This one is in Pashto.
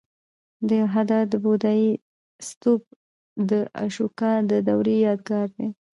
د هده د بودایي ستوپ د اشوکا د دورې یادګار دی